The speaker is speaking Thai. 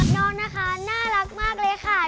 น้องนะคะน่ารักมากเลยค่ะ